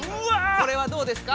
これはどうですか？